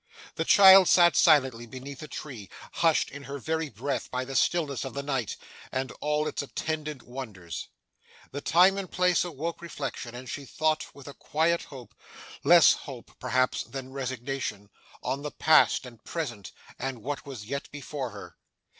The child sat silently beneath a tree, hushed in her very breath by the stillness of the night, and all its attendant wonders. The time and place awoke reflection, and she thought with a quiet hope less hope, perhaps, than resignation on the past, and present, and what was yet before her.